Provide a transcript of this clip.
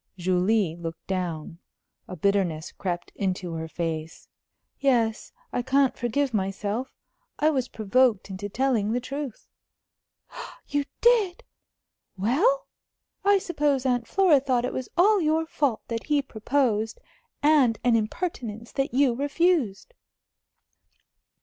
Julie looked down. A bitterness crept into her face. "Yes. I can't forgive myself. I was provoked into telling the truth." "You did! Well? I suppose Aunt Flora thought it was all your fault that he proposed, and an impertinence that you refused?"